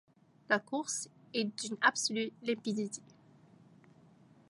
La course est d'une absolue limpidité.